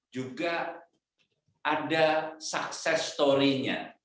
juga ada sukses story nya